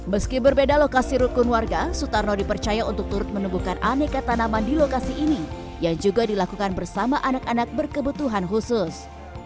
meski berbeda lokasi rukun warga sutarno dipercaya untuk turut menemukan aneka tanaman di lokasi ini yang juga dilakukan bersama anak anak berkebutuhan khusus